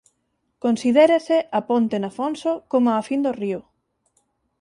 Considérase a Ponte Nafonso como a fin do río.